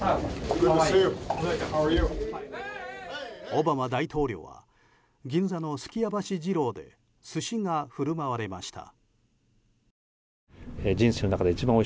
オバマ大統領は銀座のすきやばし次郎で寿司が振る舞われました。